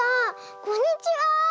こんにちは。